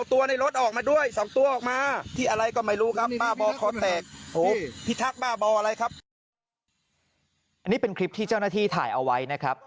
อันนี้เป็นคลิปที่เจ้าหน้าที่ถ่ายเอาไว้นะครับ